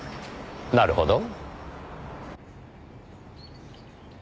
なるほど。